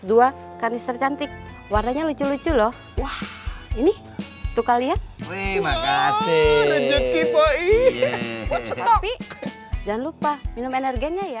dua karnister cantik warnanya lucu lucu loh ini untuk kalian dan lupa minum energennya ya